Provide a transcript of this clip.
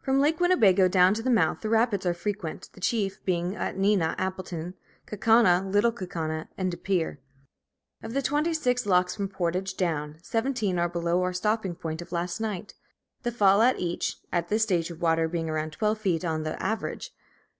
From Lake Winnebago down to the mouth, the rapids are frequent, the chief being at Neenah, Appleton, Kaukauna, Little Kaukauna, and Depere. Of the twenty six locks from Portage down, seventeen are below our stopping point of last night; the fall at each, at this stage of water being about twelve feet on the average.